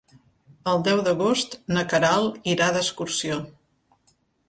El deu d'agost na Queralt irà d'excursió.